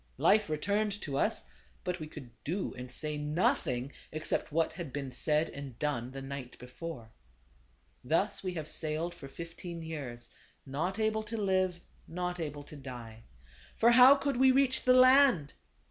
Life returned to us ; but we could do and say nothing except what had been said and done the night before. " Thus we have sailed for fifteen years ; not able to live, not able to die. For how could we reach the land